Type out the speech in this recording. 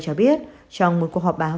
cho biết trong một cuộc họp báo